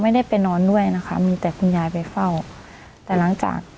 ไม่ได้ไปนอนด้วยนะคะมีแต่คุณยายไปเฝ้าแต่หลังจาก